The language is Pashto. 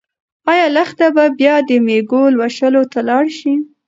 ايا لښتې به بیا د مېږو لوشلو ته لاړه شي؟